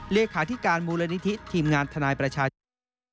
เลขาธิการมูลนิธิทีมงานทนายประชาชน